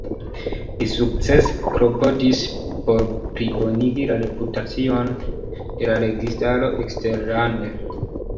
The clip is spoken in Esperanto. Li sukcese klopodis por plibonigi la reputacion de la registaro eksterlande.